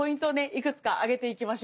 いくつか挙げていきましょうね。